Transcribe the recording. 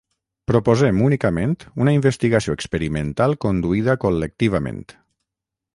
Proposem únicament una investigació experimental conduïda col·lectivament.